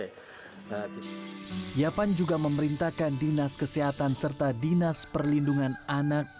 yapan juga memerintahkan dinas kesehatan serta dinas perlindungan anak